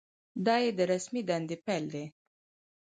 دا یې د رسمي دندې پیل دی.